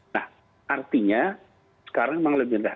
nah artinya sekarang memang lebih rendah